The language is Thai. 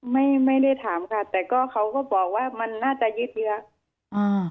ไม่ได้ถามค่ะแต่ก็เขาก็บอกว่ามันน่าจะยืดเยอะอ่า